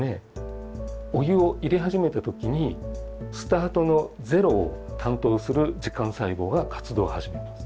お湯を入れ始めた時にスタートのゼロを担当する時間細胞が活動を始めます。